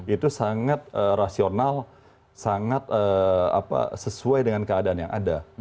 itu sangat rasional sangat sesuai dengan keadaan yang ada